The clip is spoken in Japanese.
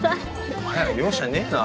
お前ら容赦ねえな。